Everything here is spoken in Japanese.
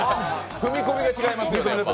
踏み込みが違いますよね。